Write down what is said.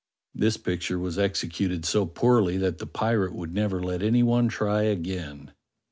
This picture was executed so poorly 50 DOCTOR SYN that the pirate would never let any one try again.